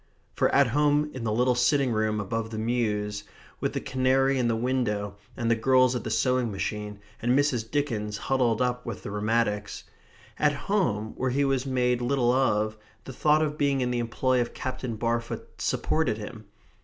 For at home in the little sitting room above the mews, with the canary in the window, and the girls at the sewing machine, and Mrs. Dickens huddled up with the rheumatics at home where he was made little of, the thought of being in the employ of Captain Barfoot supported him.